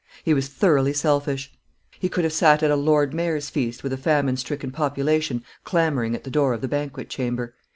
He was thoroughly selfish. He could have sat at a Lord Mayor's feast with a famine stricken population clamouring at the door of the banquet chamber.